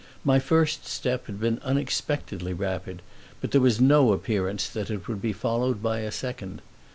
My first step had been unexpectedly rapid, but there was no appearance that it would be followed by a second.